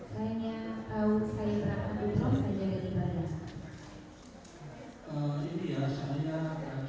tidak potong di depan jangan lewat